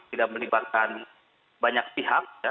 tidak melibatkan banyak pihak